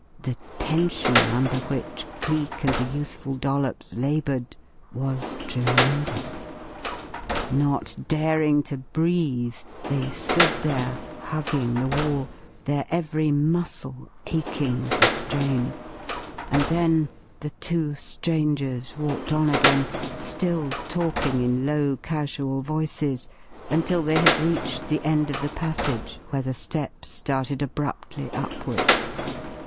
The tension under which Cleek and the youthful Dollops laboured was tremendous. Not daring to breathe they stood there hugging the wall, their every muscle aching with the strain, and then the two strangers walked on again, still talking in low, casual voices, until they had reached the end of the passage where the steps started abruptly upward.